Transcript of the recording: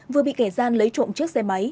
vừa bị kẻ gian lấy trộm chiếc xe máy